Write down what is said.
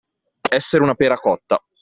Essere una pera cotta.